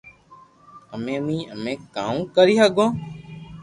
ايي مي امي ڪاوُ ڪري ھگو